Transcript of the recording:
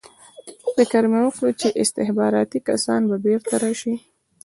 فکر مې وکړ چې استخباراتي کسان به بېرته راشي